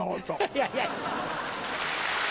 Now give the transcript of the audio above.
いやいや。